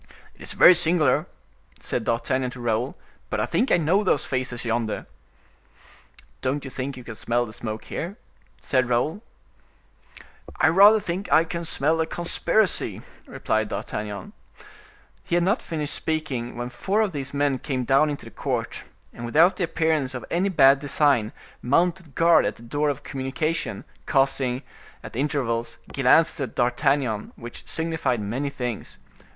"It is very singular," said D'Artagnan to Raoul, "but I think I know those faces yonder." "Don't you think you can smell the smoke here?" said Raoul. "I rather think I can smell a conspiracy," replied D'Artagnan. He had not finished speaking, when four of these men came down into the court, and without the appearance of any bad design, mounted guard at the door of communication, casting, at intervals, glances at D'Artagnan, which signified many things.